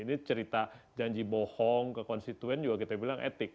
ini cerita janji bohong ke konstituen juga kita bilang etik